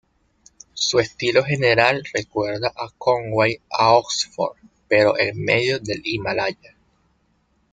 Su estilo general recuerda a Conway a Oxford, pero en medio del Himalaya.